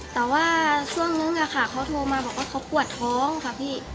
แต่ว่าช่วงนึงอะค่ะเขาโทรมาบอกว่าเขาปวดท้องค่ะพี่